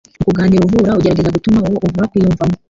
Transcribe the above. Mu kuganira uvura ugerageza gutuma uwo uvura akwiyumvamo